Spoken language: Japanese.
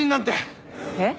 えっ？